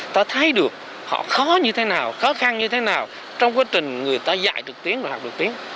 ta thấy được họ khó như thế nào khó khăn như thế nào trong quá trình người ta dạy được tiếng và học được tiếng